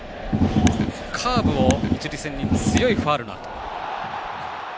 カーブを一塁線に強いファウルのあと。